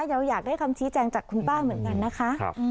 เราอยากได้คำชี้แจงจากคุณป้าเหมือนกันนะคะ